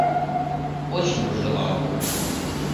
Очень бы желала!